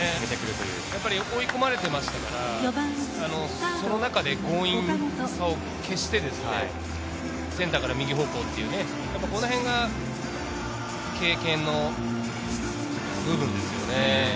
追い込まれていましたから、その中で強引さを消してセンターから右方向、この辺が経験の部分ですね。